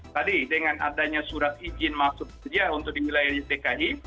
tadi dengan adanya surat izin masuk kerja untuk di wilayah dki